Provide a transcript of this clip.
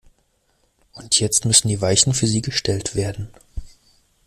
Und jetzt müssen die Weichen für sie gestellt werden.